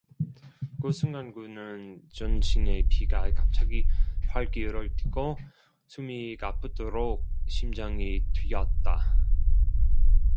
그 순간 그는 전신의 피가 갑자기 활기를 띠고 숨이 가쁘도록 심장이 뛰었다.